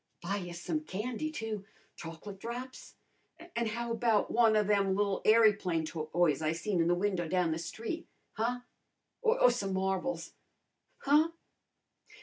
"Buy ya some candy, too. Choc'late drops! An' how about one o' them li'l airyplane toys I seen in the window down the street? Huh? Or some marbles? Huh?